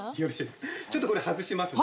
ちょっとこれ外しますね。